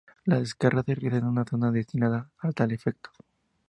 La descarga se realiza en una zona destinada a tal efecto.